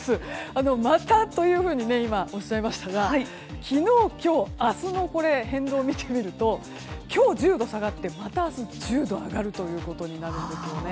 またというふうに今おっしゃいましたが昨日、今日、明日の変動を見てみると今日１０度下がってまた明日１０度上がるということになるんですよね。